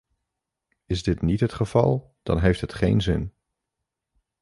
Is dit niet het geval, dan heeft het geen zin.